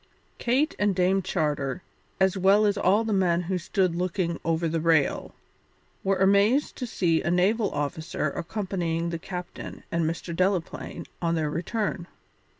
Kate and Dame Charter, as well as all the men who stood looking over the rail, were amazed to see a naval officer accompanying the captain and Mr. Delaplaine on their return.